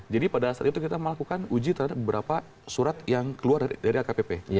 jadi pada saat itu kita melakukan uji terhadap beberapa surat yang keluar dari lkpp